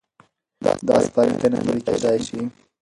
دا سپارښتنې عملي کېدای شي.